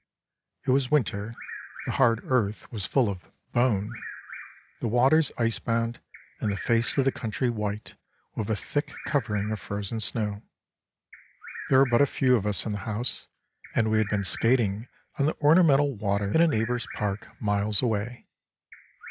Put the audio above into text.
It was winter, the hard earth was full of "bone," the waters icebound, and the face of the country white with a thick covering of frozen snow. There were but few of us in the house, and we had been skating on the ornamental water in a neighbour's park, miles away.